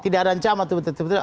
tidak ada ancaman